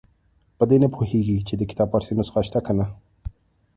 په دې نه پوهېږي چې د کتاب فارسي نسخه شته که نه.